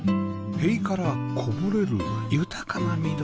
塀からこぼれる豊かな緑